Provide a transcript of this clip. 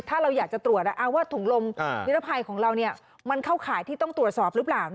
ถ้าเราอยากจะตรวจว่าถุงลมนิรภัยของเรามันเข้าข่ายที่ต้องตรวจสอบหรือเปล่า